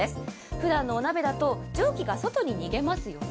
ふだんのお鍋だと蒸気が外に逃げますよね。